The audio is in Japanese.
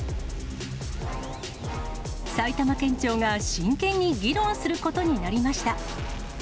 埼玉県庁が真剣に議論することになりました。